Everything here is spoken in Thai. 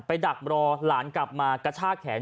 ดักรอหลานกลับมากระชากแขน